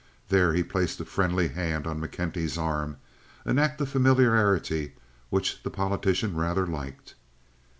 There he placed a friendly hand on McKenty's arm, an act of familiarity which the politician rather liked.